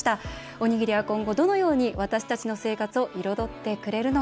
おにぎりは今後、どのように私たちの生活を彩ってくれるのか。